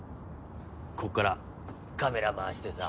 こっからカメラ回してさ。